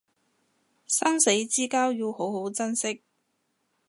生死之交要好好珍惜